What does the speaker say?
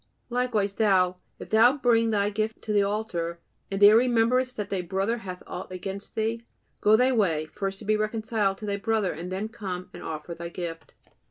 "Likewise thou, if thou bring thy gift to the altar, and there rememberest that thy brother hath aught against thee ... go thy way; first be reconciled to thy brother, and then come and offer thy gift."